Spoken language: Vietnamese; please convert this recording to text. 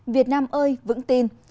việt nam ơi vững tin